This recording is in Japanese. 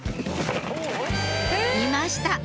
いました！